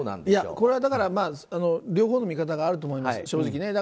これは両方の見方があると思います、正直。